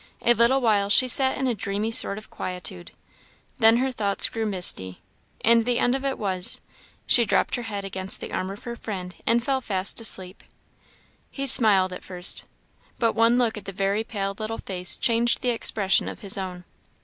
A little while she sat in a dreamy sort of quietude then her thoughts grew misty and the end of it was she dropped her head against the arm of her friend, and fell fast asleep. He smiled at first, but one look at the very pale little face changed the expression of his own.